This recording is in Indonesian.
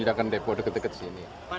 tidak akan depo deket deket sini